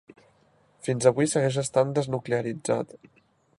Fins avui segueix estant desnuclearitzat.